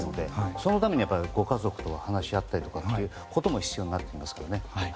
そのためにはご家族と話し合ったりとかということも必要になりますから。